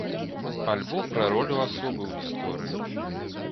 Альбо пра ролю асобы ў гісторыі.